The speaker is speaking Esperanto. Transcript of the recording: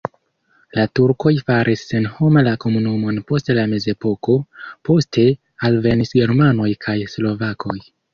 La turkoj faris senhoma la komunumon post la mezepoko, poste alvenis germanoj kaj slovakoj.